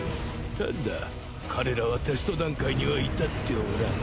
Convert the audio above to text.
ただ彼らはテスト段階には至っておらん。